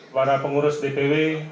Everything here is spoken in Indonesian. para pengurus dpw